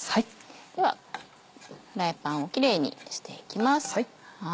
ではフライパンをキレイにしていきます。